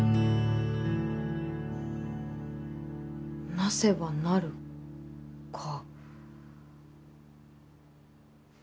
なせばなるか。